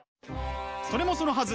それもそのはず！